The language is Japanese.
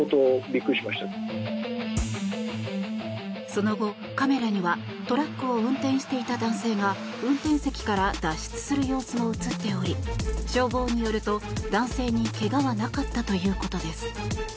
その後、カメラにはトラックを運転していた男性が運転席から脱出する様子も映っており消防によると、男性にけがはなかったということです。